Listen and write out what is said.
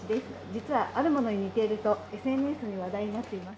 実はあるものに似ているとＳＮＳで話題になっています。